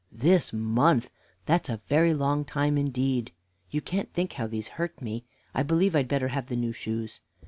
"This month! that's a very long time, indeed! You can't think how these hurt me; I believe I'd better have the new shoes.